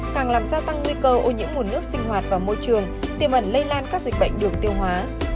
càng làm gia tăng nguy cơ ô nhiễm nguồn nước sinh hoạt và môi trường tiềm ẩn lây lan các dịch bệnh đường tiêu hóa